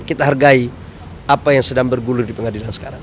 kita hargai apa yang sedang bergulir di pengadilan sekarang